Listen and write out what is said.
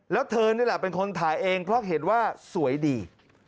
แล้วเธอนี่แหละเป็นคนถ่ายเองเพราะเห็นว่าสวยดี